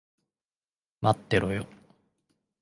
待ってろよ。